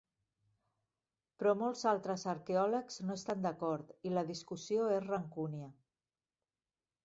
Però molts altres arqueòlegs no estan d'acord i la discussió és rancúnia.